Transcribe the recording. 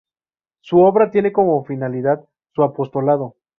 Su obra tiene como finalidad su apostolado.